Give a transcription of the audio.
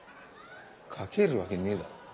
かけるわけねえだろ。